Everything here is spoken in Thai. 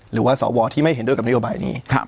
หรือว่าสวที่ไม่เห็นด้วยกับนโยบายนี้